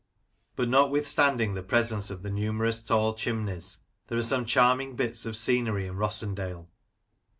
But notwithstanding the presence of the numerous tall chimneys, there are some charming bits of scenery in Rossendale.